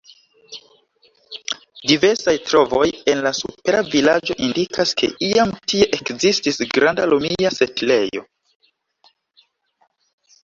Diversaj trovoj en la supera vilaĝo indikas, ke iam tie ekzistis granda romia setlejo.